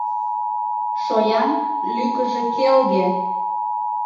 Шоян лӱкыжӧ келге!